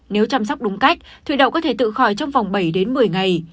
nếu chăm sóc đúng cách thủy đậu có thể tự khỏi trong vòng bảy đến một mươi ngày